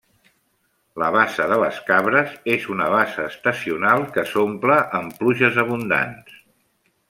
La Bassa de les Cabres és una bassa estacional, que s'omple amb pluges abundants.